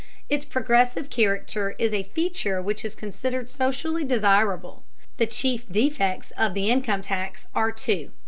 Its progressive character is a feature which is considered socially desirable. The chief defects of the income tax are two.